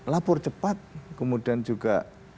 lapor cepat kemudian juga